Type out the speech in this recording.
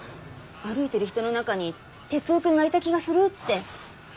歩いてる人の中に徹生君がいた気がするって。